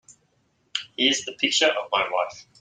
Here's the picture of my wife.